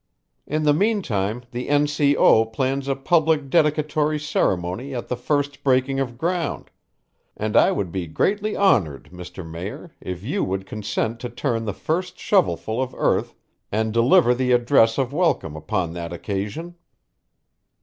In the meantime the N. C. O. plans a public dedicatory ceremony at the first breaking of ground, and I would be greatly honoured, Mr. Mayor, if you would consent to turn the first shovelful of earth and deliver the address of welcome upon that occasion."